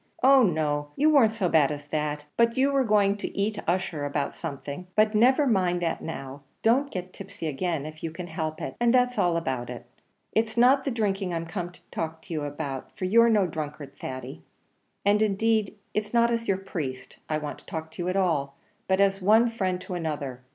Oh no! you weren't so bad as that; but you were going to eat Ussher about something. But never mind that now; don't get tipsy again, if you can help it, and that's all about it. It's not the drinking I'm come to talk to you about; for you're no drunkard, Thady; and indeed it's not as your priest I want to talk to you at all, but as one friend to another.